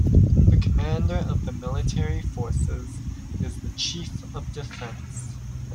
The commander of the military forces is the Chief of Defence.